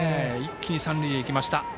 一気に三塁へ行きました。